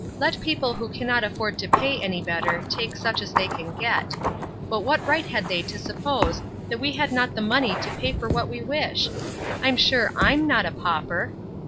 Let people who cannot afford to pay any better take such as they can get. But what right had they to suppose that we had not the money to pay for what we wish? I'm sure I'm not a pauper!